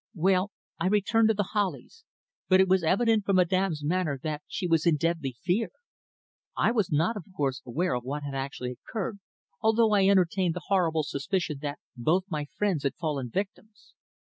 "Well, I returned to The Hollies, but it was evident from Madame's manner that she was in deadly fear. I was not, of course, aware of what had actually occurred, although I entertained the horrible suspicion that both my friends had fallen victims.